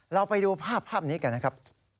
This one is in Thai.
เราไปดูภาพนี้กันนะครับ